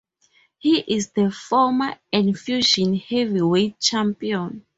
He is the former Enfusion heavyweight champion.